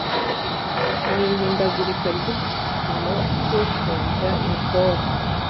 n ihindagurika ry igipimo cy unjisha Ni polo